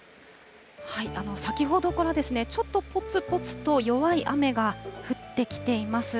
先ほどから、ちょっとぽつぽつと弱い雨が降ってきています。